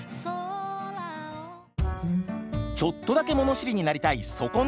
ちょっとだけ物知りになりたいそこのあなた！